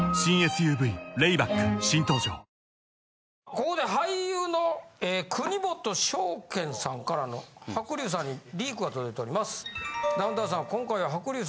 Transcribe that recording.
ここで俳優の國本鍾建さんからの白竜さんにリークが届いております。